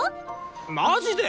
マジで！？